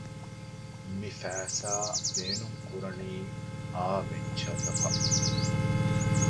މި ފައިސާ ބޭނުން ކުރަނީ އައު ވެންޗަރތަކަށް